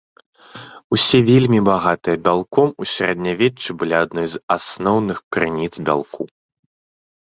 Усе вельмі багатыя бялком, у сярэднявеччы былі адной з асноўных крыніц бялку.